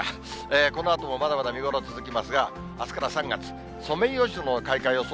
このあともまだまだ見頃続きますが、あすから３月、ソメイヨシノの開花予想